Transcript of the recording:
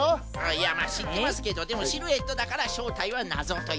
いやまあしってますけどでもシルエットだからしょうたいはなぞということです。